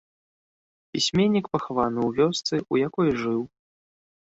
Пісьменнік пахаваны ў вёсцы, у якой жыў.